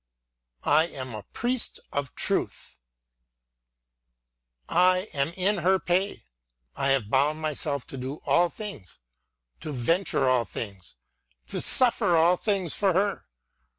I am a Priest of Truth ; I am in her pay ; I have bound myself to do all things, to venture all things, to suffer all things for her.